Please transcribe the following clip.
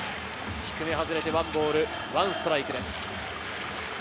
低め外れて１ボール１ストライクです。